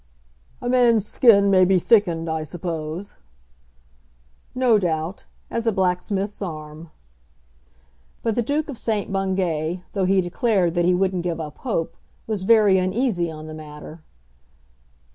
"A man's skin may be thickened, I suppose." "No doubt; as a blacksmith's arm." But the Duke of St. Bungay, though he declared that he wouldn't give up hope, was very uneasy on the matter.